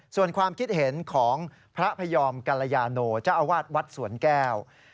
ส่วนความคิดเห็นของพระพยอมกัลยาโนเจ้าอาวาสวัดสวนแก้ว